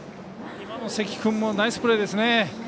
今の関君もナイスプレーですね。